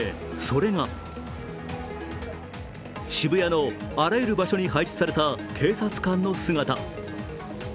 それが渋谷のあらゆる場所に配置された警察官の姿。